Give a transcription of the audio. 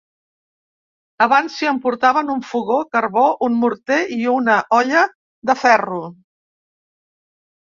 Abans s’hi emportaven un fogó, carbó, un morter i una olla de ferro.